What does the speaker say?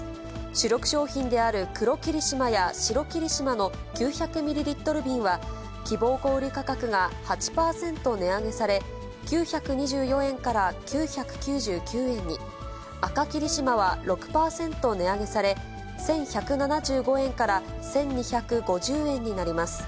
主力商品である黒霧島や白霧島の９００ミリリットル瓶は、希望小売り価格が８％値上げされ、９２４円から９９９円に、赤霧島は６％値上げされ、１１７５円から１２５０円になります。